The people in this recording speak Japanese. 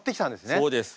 そうです。